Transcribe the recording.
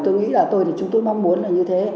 tôi nghĩ là chúng tôi mong muốn là như thế